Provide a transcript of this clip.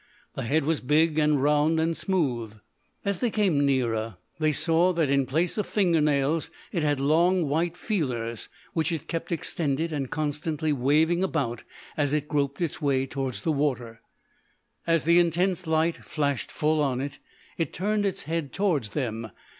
The head was big and round and smooth. As they came nearer they saw that in place of fingernails it had long white feelers which it kept extended and constantly waving about as it groped its way towards the water. As the intense light flashed full on it, it turned its head towards them.